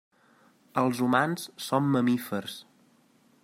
Els humans són mamífers.